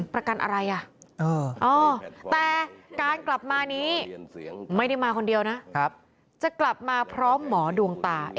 ประกันอะไรอ่ะแต่การกลับมานี้ไม่ได้มาคนเดียวนะจะกลับมาพร้อมหมอดวงตา